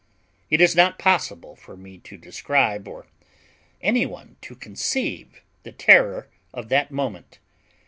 It is not possible for me to describe, or any one to conceive, the terror of that minute.